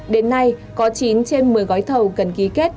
đến nay có chín trên một mươi gói thầu cần ký kết